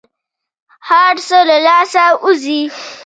هر څه له لاسه ووزي.